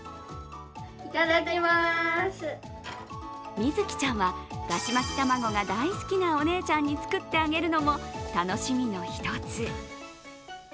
瑞季ちゃんはだし巻き卵が大好きなお姉ちゃんに作ってあげるのも楽しみの一つ。